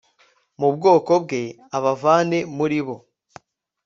mu bwoko bwe abavane muri bo